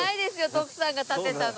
徳さんが建てたの。